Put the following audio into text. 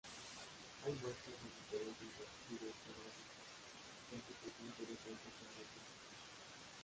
Hay muestras de diferentes latitudes geográficas que hace que sea interesante para los científicos.